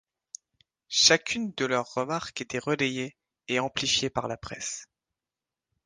Chacune de leurs remarques étaient relayées, et amplifiées par la presse.